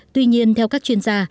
tuy nhiên theo các chuyên gia